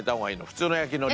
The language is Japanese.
普通の焼き海苔？